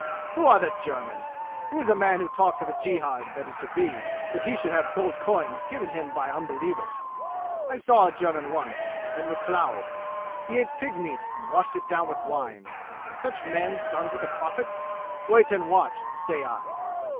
Who are the Germans? Who is a man who talks of a jihad that is to be, that he should have gold coin given him by unbelievers? I saw a German once, at Nuklao. He ate pig meat and washed it down with wine. Are such men sons of the Prophet? Wait and watch, say I!"